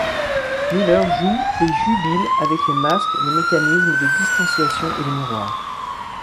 Müller joue et jubile avec les masques, les mécanismes de distanciation et les miroirs.